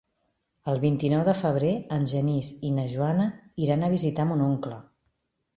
El vint-i-nou de febrer en Genís i na Joana iran a visitar mon oncle.